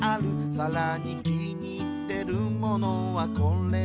「さらに気に入ってるものはこれである」